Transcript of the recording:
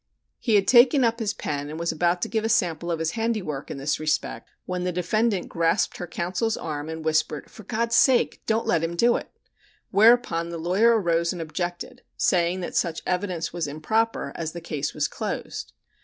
He had taken up his pen and was about to give a sample of his handiwork in this respect when the defendant grasped her counsel's arm and whispered: "For God's sake, don't let him do it!" whereupon the lawyer arose and objected, saying that such evidence was improper, as the case was closed.